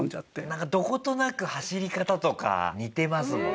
なんかどことなく走り方とか似てますもんね。